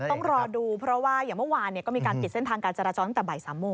ต้องรอดูเพราะว่าอย่างเมื่อวานก็มีการปิดเส้นทางการจราจรตั้งแต่บ่าย๓โมง